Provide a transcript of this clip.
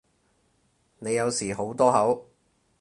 你有時好多口